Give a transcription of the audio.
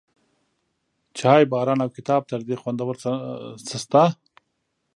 چای، باران، او کتاب، تر دې خوندور څه شته؟